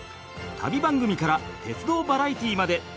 旅番組から鉄道バラエティーまで！